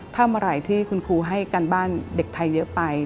ถ้าเมื่อไหร่ที่คุณครูให้การบ้านเด็กไทยเยอะไป